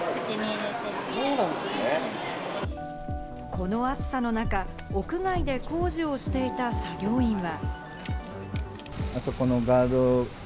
この暑さの中、屋外で工事をしていた作業員は。